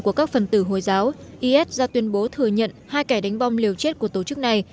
của các phần tử hồi giáo is ra tuyên bố thừa nhận hai kẻ đánh bom liều chết của tổ chức này